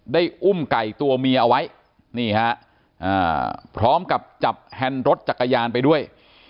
อุ้มไก่ตัวเมียเอาไว้นี่ฮะพร้อมกับจับแฮนด์รถจักรยานไปด้วย